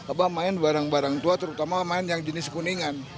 apa main barang barang tua terutama main yang jenis kuningan